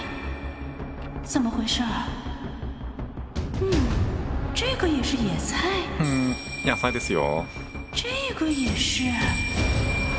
ふん野菜ですよ。